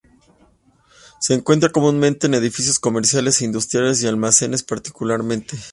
Se encuentran comúnmente en edificios comerciales e industriales, y almacenes particularmente.